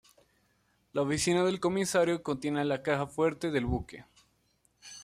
La oficina del comisario contiene la caja fuerte del buque.